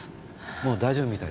もう大丈夫みたい。